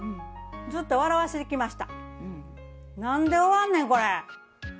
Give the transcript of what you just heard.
ずっと笑わせてきました。